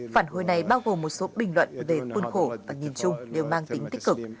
phản hồi này bao gồm một số bình luận về khuôn khổ và nhìn chung đều mang tính tích cực